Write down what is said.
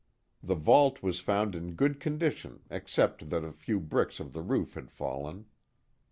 The vault was found in good condition except that a few bricks of the roof had fallen.